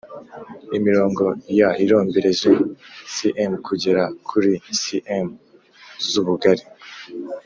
imirongo year irombereje =cmkugera kuri cm z’ubugali